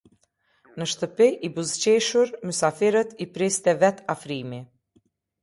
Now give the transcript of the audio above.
Në shtëpi, i buzëqeshur, mysafirët i priste vetë Afrimi.